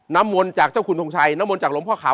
น้ำมนต์จากเจ้าคุณทงชัยน้ำมนต์จากหลวงพ่อขาว